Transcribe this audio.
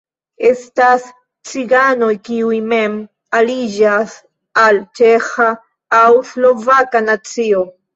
Estas ciganoj, kiuj mem aliĝas al ĉeĥa, aŭ slovaka nacio.